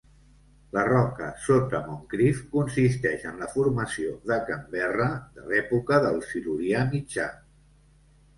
La roca sota Moncrieff consisteix en la formació de Canberra de l'època del Silurià mitjà.